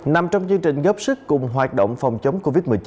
nằm trong chương trình góp sức cùng hoạt động phòng chống covid một mươi chín